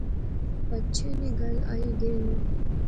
پچھے نی گل گئی آئی